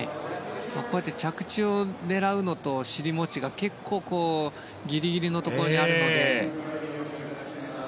こうやって着地を狙うのと尻餅が結構ギリギリのところにあるので。